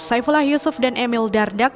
saifullah yusuf dan emil dardak